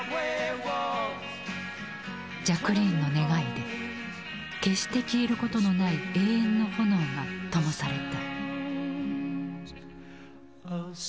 ジャクリーンの願いで決して消えることのない永遠の炎がともされた。